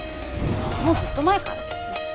もうずっと前からですね。